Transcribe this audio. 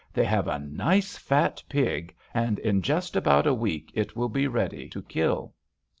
"They have a nice fat pig, and in just about a week it will be ready to kill."